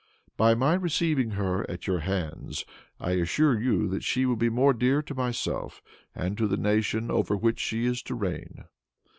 By my receiving her at your hands, I assure you that she will be more dear to myself and to the nation over which she is to reign.